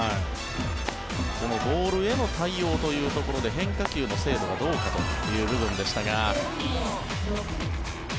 このボールへの対応というところで変化球の精度がどうかという部分でしたが。